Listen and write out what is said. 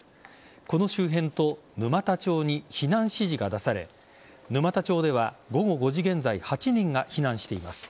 この周辺と沼田町に避難指示が出され沼田町では午後５時現在８人が避難しています。